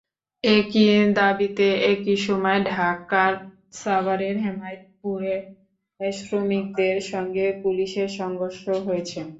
একই দাবিতে একই সময় ঢাকার সাভারের হেমায়েতপুরে শ্রমিকদের সঙ্গে পুলিশের সংঘর্ষ হয়েছে।